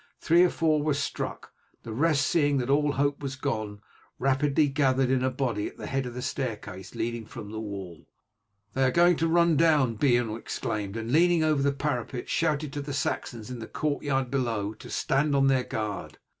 Three or four were struck, the rest, seeing that all hope was gone, rapidly gathered in a body at the head of the staircase leading from the wall. "They are going to run down," Beorn exclaimed, and leaning over the parapet shouted to the Saxons in the courtyard below to stand on their guard.